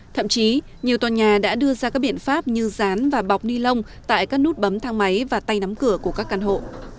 thậm chí nhiều tòa nhà đã đưa ra các biện pháp như rán và bọc ni lông tại các nút bấm thang máy và tay nắm cửa của các căn hộ